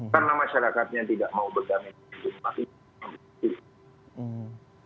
karena masyarakatnya tidak mau berdamping ke kegempaannya